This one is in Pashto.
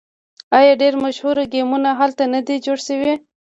آیا ډیر مشهور ګیمونه هلته نه دي جوړ شوي؟